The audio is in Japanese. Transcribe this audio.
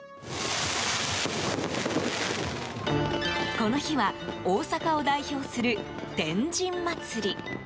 この日は大阪を代表する天神祭り。